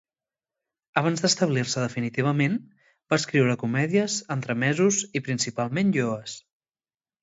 Abans d'establir-se definitivament, va escriure comèdies, entremesos i principalment lloes.